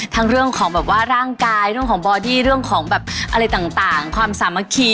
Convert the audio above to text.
เรื่องของแบบว่าร่างกายเรื่องของบอดี้เรื่องของแบบอะไรต่างความสามัคคี